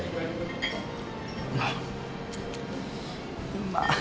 うまっ。